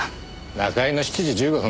中居の７時１５分？